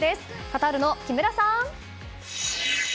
カタールの木村さん！